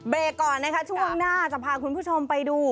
เบรก่อนช่วงหน้าจะพาคุณผู้ชมไปดู